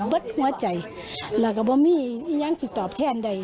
บัดหัวใจแล้วกับว่ามียังติดตอบแทนได้